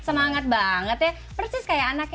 semangat banget ya persis kayak anaknya